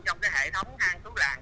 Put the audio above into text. trong cái hệ thống hang thú làng